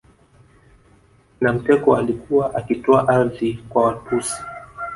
Na mteko alikuwa akitoa ardhi kwa Watusi